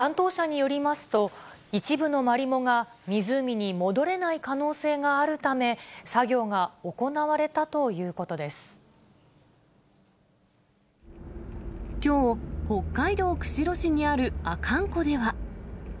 担当者によりますと、一部のマリモが湖に戻れない可能性があるため、作業が行われたときょう、北海道釧路市にある阿寒湖では。